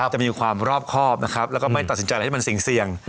จะมีความรอบคอบไม่ตัดสินใจไหนให้ได้เป็นสิ่งเสียง